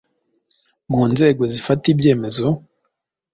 mu nzego zifata ibyemezo,